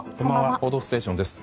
「報道ステーション」です。